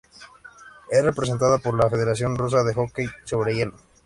Es representada por la Federación Rusa de Hockey sobre Hielo.